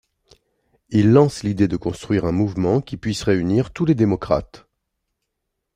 Il lance l’idée de construire un mouvement qui puisse réunir tous les démocrates.